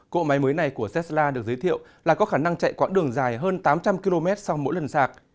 cộ máy mới này của tesla được giới thiệu là có khả năng chạy quãng đường dài hơn tám trăm linh km sau mỗi lần sạc